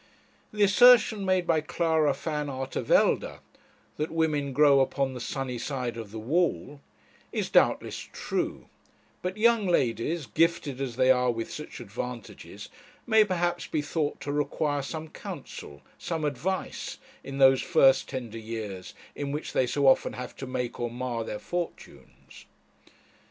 The assertion made by Clara Van Artevelde, that women 'grow upon the sunny side of the wall,' is doubtless true; but young ladies, gifted as they are with such advantages, may perhaps be thought to require some counsel, some advice, in those first tender years in which they so often have to make or mar their fortunes.